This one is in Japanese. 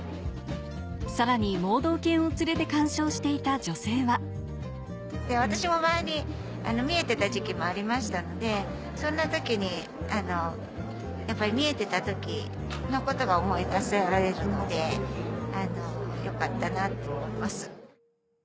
さらに盲導犬を連れて鑑賞していた女性は私も前に見えてた時期もありましたのでそんな時にやっぱり見えてた時のことが思い出されるので良かったなって思います。